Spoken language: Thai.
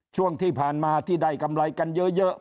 ช่วงที่ผ่านมาที่ได้กำไรกันเยอะ